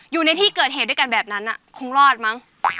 อยู่ในที่เกิดเหตุด้วยกันแบบนั้นคงรอดมั้ง